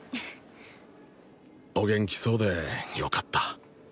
お元気そうでよかった